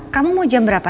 kamu mau jam berapa